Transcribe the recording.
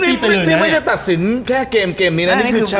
นี่ไม่ได้ตัดสินแค่เกมนี้นะ